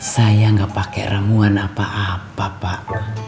saya gak pake ramuan apa apa pak